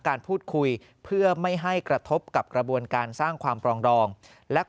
การพูดคุยเพื่อไม่ให้กระทบกับกระบวนการสร้างความปรองดองและ